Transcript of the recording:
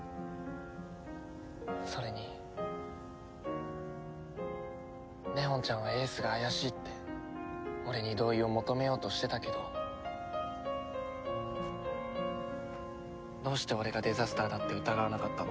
それに祢音ちゃんは英寿が怪しいって俺に同意を求めようとしてたけどどうして俺がデザスターだって疑わなかったの？